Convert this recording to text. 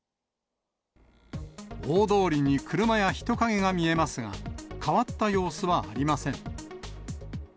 大通りに車や人影が見えますが、変わった様子はありません。